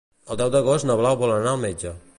El deu d'agost na Blau vol anar al metge.